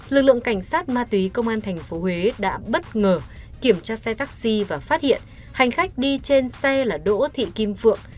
lực lượng cảnh sát ma túy công an tp huế đã bất ngờ kiểm tra xe taxi và phát hiện hành khách đi trên xe là đỗ thị kim phượng